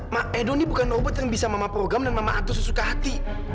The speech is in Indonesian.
ma edo ini bukan obat yang bisa mama program dan mama atur sesuka hati